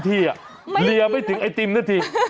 ๓ที่เรียบไปถึงไอติมหน้าที่